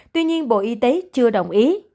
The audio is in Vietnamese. tuy nhiên bộ y tế chưa đồng ý